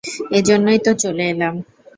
এজন্যই তো চলে এলাম।